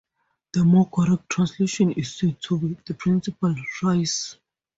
"The more correct translation is said to be "the principal rice"."